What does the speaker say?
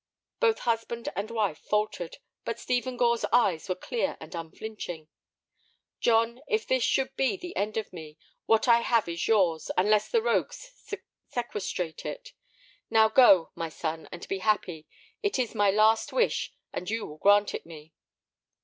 Both husband and wife faltered, but Stephen Gore's eyes were clear and unflinching. "John, if this should be the end of me, what I have is yours, unless the rogues sequestrate it. Now go, my son, and be happy. It is my last wish, and you will grant it me."